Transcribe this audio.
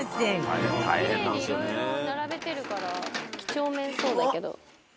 「キレイにいろいろ並べてるから几帳面そうだけど」